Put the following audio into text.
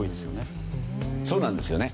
そうなんですよね。